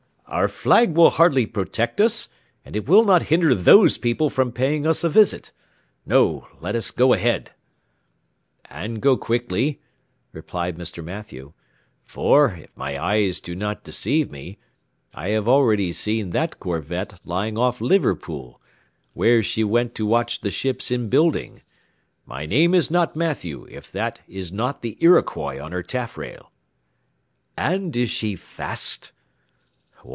"Our flag will hardly protect us, and it will not hinder those people from paying us a visit. No; let us go ahead." "And go quickly," replied Mr. Mathew, "for, if my eyes do not deceive me, I have already seen that corvette lying off Liverpool, where she went to watch the ships in building: my name is not Mathew, if that is not the Iroquois on her taffrail." "And is she fast?"